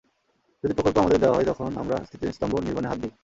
যদি প্রকল্প আমাদের দেওয়া হয়, তখন আমরা স্মৃতিস্তম্ভ নির্মাণে হাত দিই।